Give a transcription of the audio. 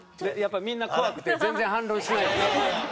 やっぱりみんな怖くて全然反論しないですね。